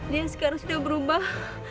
dia sekarang sudah berubah